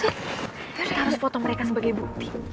kita harus potong mereka sebagai bukti